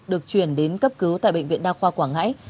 được chuyển đến cấp cứu tại bệnh viện đa khoa quảng ngãi